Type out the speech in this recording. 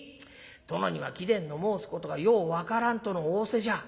殿には貴殿の申すことがよう分からんとの仰せじゃ」。